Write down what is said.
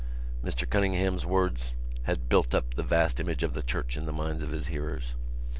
Mr Cunningham's words had built up the vast image of the church in the minds of his hearers.